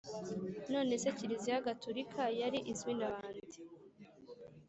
none se kiliziya gaturika yari izwi na ba nde’